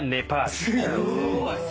すごい！